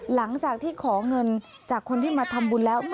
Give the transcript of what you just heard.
หลังจากที่ขอเงินจากคนที่มาทำบุญแล้ว